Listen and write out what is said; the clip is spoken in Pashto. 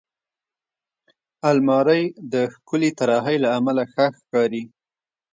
الماري د ښکلې طراحۍ له امله ښه ښکاري